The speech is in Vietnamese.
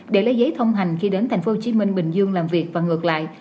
để lấy giấy thông hành khi đến tp hcm bình dương làm việc và ngược lại